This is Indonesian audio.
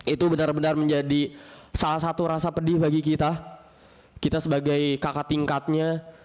itu benar benar menjadi salah satu rasa pedih bagi kita kita sebagai kakak tingkatnya